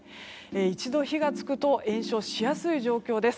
一度火が付くと延焼しやすい状況です。